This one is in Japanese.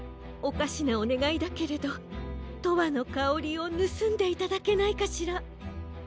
おかしなおねがいだけれど「とわのかおり」をぬすんでいただけないかしら？